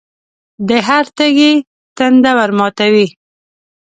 د هر تږي تنده ورماتوي.